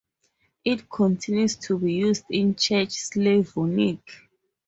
It continues to be used in Church Slavonic.